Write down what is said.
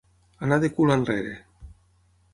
Anar de cul enrere.